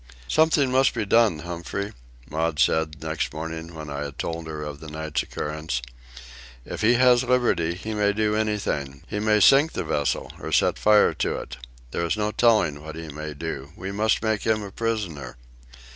"Something must be done, Humphrey," Maud said, next morning, when I had told her of the night's occurrence. "If he has liberty, he may do anything. He may sink the vessel, or set fire to it. There is no telling what he may do. We must make him a prisoner."